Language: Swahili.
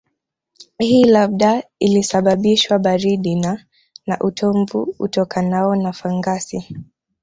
Hii labda ilisababishwa baridi na na utomvu utokanao na fangasi